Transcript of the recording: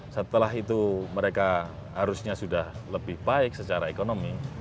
setelah itu mereka harusnya sudah lebih baik secara ekonomi